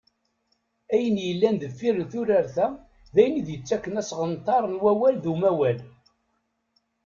Ayen yellan deffir n turart-a, d ayen i d-yettakken asɣenter n wawal d umawal.